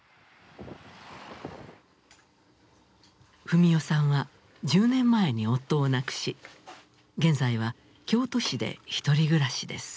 史世さんは１０年前に夫を亡くし現在は京都市で１人暮らしです。